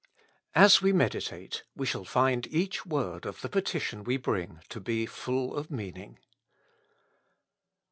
As we meditate, we shall find each word of the petition we bring to be full of meaning.